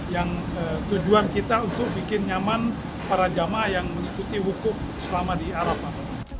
yang tujuan kita untuk bikin nyaman para jamaah yang mengikuti wukuf selama di arafah